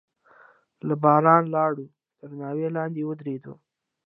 له بارانه لاړو، تر ناوې لاندې ودرېدو.